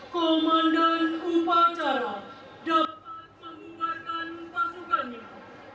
komandan upacara dapat mengubahkan pasukannya